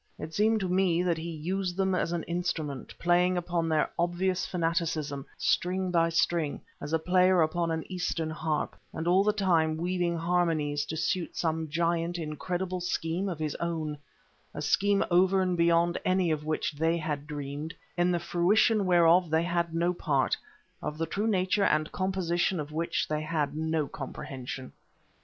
It seemed to me that he used them as an instrument, playing upon their obvious fanaticism, string by string, as a player upon an Eastern harp, and all the time weaving harmonies to suit some giant, incredible scheme of his own a scheme over and beyond any of which they had dreamed, in the fruition whereof they had no part of the true nature and composition of which they had no comprehension.